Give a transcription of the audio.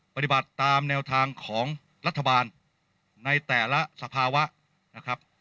ปฏิบัติตามแนวทางของรัฐบาลในแต่ละสภาวะนะครับ